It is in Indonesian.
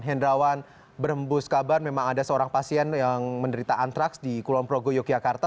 hendrawan berembus kabar memang ada seorang pasien yang menderita antraks di kulon progo yogyakarta